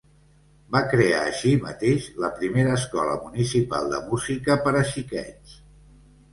Va crear així mateix la primera Escola Municipal de Música per a xiquets.